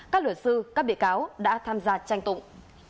các luật sư các bị cáo đã tham gia tranh tụng